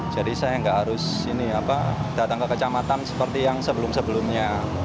jadi saya nggak harus datang ke kecamatan seperti yang sebelum sebelumnya